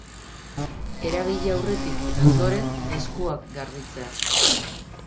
Erabili aurretik eta ondoren eskuak garbitzea.